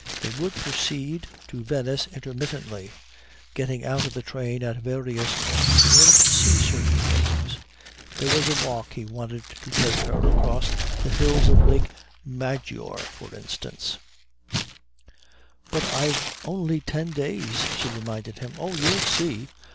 They would proceed to Venice intermittently, getting out of the train at various points in order to see certain things there was a walk he wanted to take her across the hills of Lake Maggiore, for instance "But I've only ten days," she reminded him. "Oh, you'll see.